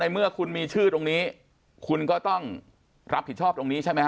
เมื่อคุณมีชื่อตรงนี้คุณก็ต้องรับผิดชอบตรงนี้ใช่ไหมฮ